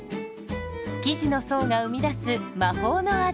生地の層が生み出す魔法の味。